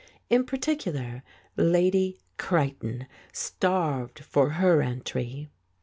In particular, Lady Creighton starved for her entry.